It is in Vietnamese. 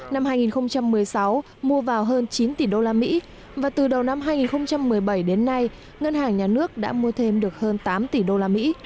năm hai nghìn một mươi sáu mua vào hơn chín tỷ usd và từ đầu năm hai nghìn một mươi bảy đến nay ngân hàng nhà nước đã mua thêm được hơn tám tỷ usd